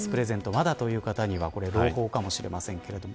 まだという方には朗報かもしれませんけれども。